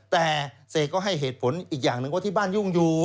แต่เสกก็ให้เหตุผลอีกอย่างหนึ่งว่าที่บ้านยุ่งอยู่